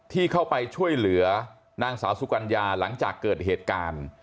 ที่เข้าไปช่วยเหลือนางสาวสุกัญญาหลังจากเกิดเหตุการณ์